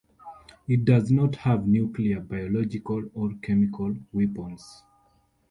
It does not have nuclear, biological, or chemical weapons.